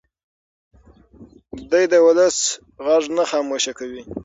دی د ولس غږ نه خاموشه کوي.